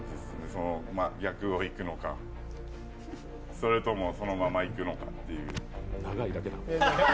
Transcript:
その逆をいくのか、それとも、そのままいくのかっていう。